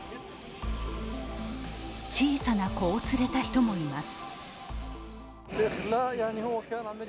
小さな子を連れた人もいます。